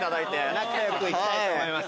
仲良く行きたいと思います。